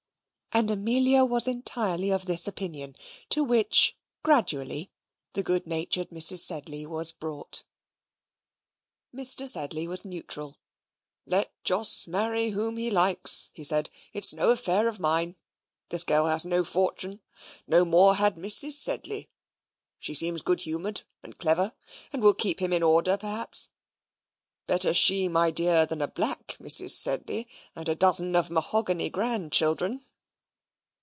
And Amelia was entirely of this opinion, to which, gradually, the good natured Mrs. Sedley was brought. Mr. Sedley was neutral. "Let Jos marry whom he likes," he said; "it's no affair of mine. This girl has no fortune; no more had Mrs. Sedley. She seems good humoured and clever, and will keep him in order, perhaps. Better she, my dear, than a black Mrs. Sedley, and a dozen of mahogany grandchildren."